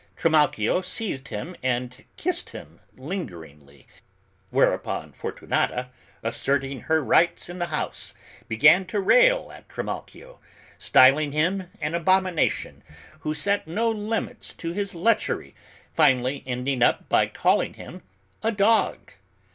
Trimalchio seized him and kissed him lingeringly, whereupon Fortunata, asserting her rights in the house, began to rail at Trimalchio, styling him an abomination who set no limits to his lechery, finally ending by calling him a dog.